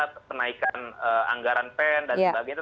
tidak ada pernaikan anggaran pen dan sebagainya